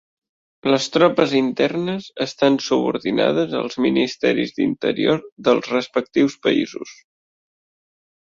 Les tropes internes estan subordinades als ministeris d'interior dels respectius països.